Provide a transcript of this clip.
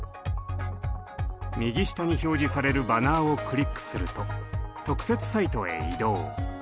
右下に表示されるバナーをクリックすると特設サイトへ移動。